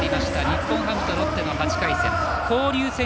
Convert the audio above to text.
日本ハム対ロッテの８回戦